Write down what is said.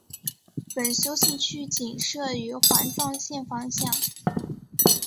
本休息区仅设于环状线方向。